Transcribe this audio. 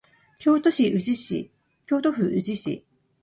京都府宇治市